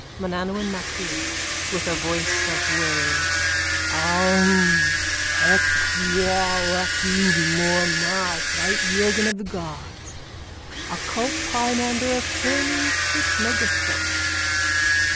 _ MANANAUN MACLIR: (With a voice of waves.) Aum! Hek! Wal! Ak! Lub! Mor! Ma! White yoghin of the gods. Occult pimander of Hermes Trismegistos.